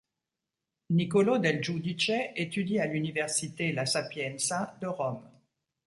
Niccolò Del Giudice étudie à l'Université La Sapienza de Rome.